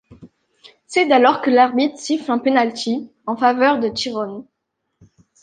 C’est alors que l’arbitre siffle un penalty en faveur de Tyrone.